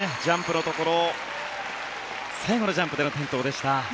この終盤のジャンプのところ最後のジャンプでの転倒でした。